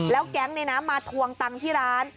แล้วแก๊งในน้ำมาทวงตังที่ร้าน